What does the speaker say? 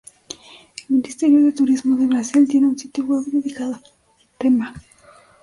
El Ministerio de Turismo de Brasil tiene un sitio web dedicado al tema.